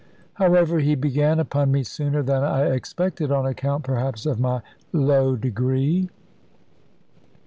However, he began upon me sooner than I expected, on account, perhaps, of my low degree.